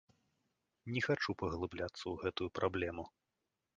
Не хачу паглыбляцца ў гэтую праблему.